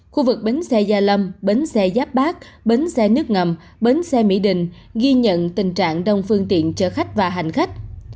khu vực bến xe gia lâm bến xe giáp bát bến xe nước ngầm bến xe mỹ đình ghi nhận tình trạng đông phương tiện chở khách và hành khách